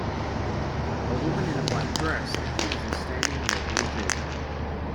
A woman in a black dress and heels is standing near a blue Jeep.